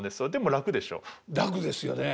楽ですよね。